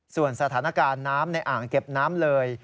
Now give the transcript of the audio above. ส่วนสถานการณ์น้ำในอ่างเก็บน้ำเลย